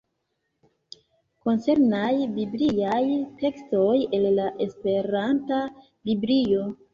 Koncernaj bibliaj tekstoj el la esperanta Biblio.